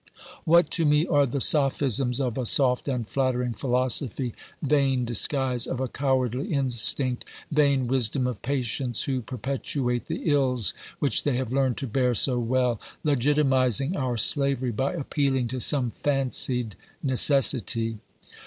What to me are the sophisms of a soft and flattering philosophy, vain disguise of a cowardly instinct, vain wisdom of patients who perpetuate the ills which they have learned to bear so well, legitimising our slavery by appealing to some fancied necessity.